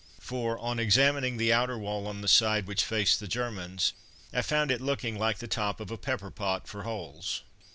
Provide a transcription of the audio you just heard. For, on examining the outer wall on the side which faced the Germans, I found it looking like the top of a pepper pot for holes.